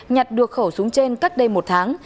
nhặt được khẩu súng trên cách đây một tháng